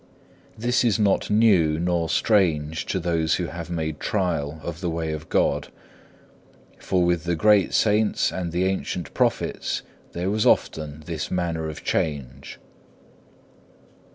This is not new nor strange to those who have made trial of the way of God, for with the great saints and the ancient prophets there was often this manner of change.